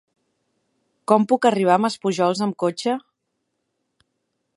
Com puc arribar a Maspujols amb cotxe?